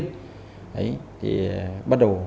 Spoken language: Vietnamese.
đấy thì bắt đầu